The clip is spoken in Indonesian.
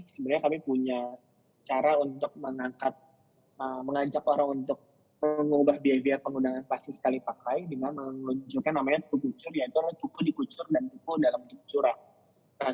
sebenarnya kami punya cara untuk mengangkat mengajak orang untuk mengubah behavior penggunaan plastik sekali pakai dengan menguncurkan namanya tukucur yaitu orang cukur dikucur dan tukur dalam tukucuran